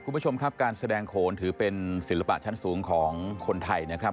คุณผู้ชมครับการแสดงโขนถือเป็นศิลปะชั้นสูงของคนไทยนะครับ